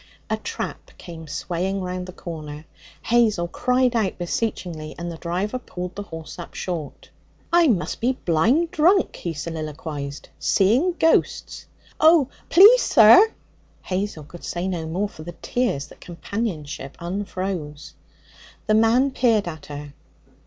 A trap came swaying round the corner. Hazel cried out beseechingly, and the driver pulled the horse up short. 'I must be blind drunk,' he soliloquized, 'seeing ghosts!' 'Oh, please sir!' Hazel could say no more, for the tears that companionship unfroze. The man peered at her.